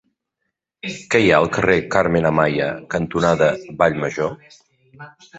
Què hi ha al carrer Carmen Amaya cantonada Vallmajor?